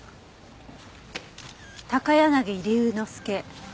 「高柳龍之介」？